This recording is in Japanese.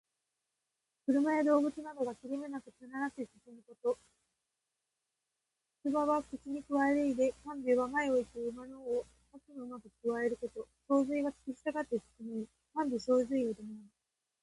車や動物などが切れ目なく連なって進むこと。「銜」は口にくわえる意で、「銜尾」は前を行く馬の尾をあとの馬がくわえること。「相随」はつきしたがって進む意。「銜尾相随う」とも読む。